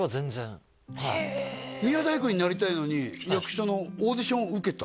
へえ宮大工になりたいのに役者のオーディションを受けた？